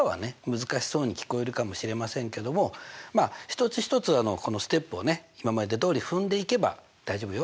難しそうに聞こえるかもしれませんけども一つ一つこのステップをね今までどおり踏んでいけば大丈夫よ。